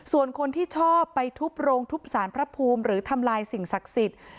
ส่วนคนที่ชอบไปทุบโรงทุบสารพระภูมิหรือทำลายสิ่งศักดิ์สิทธิ์